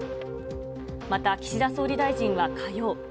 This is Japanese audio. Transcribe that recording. また岸田総理大臣は火曜。